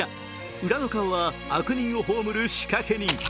裏の顔は悪人を葬る仕掛人。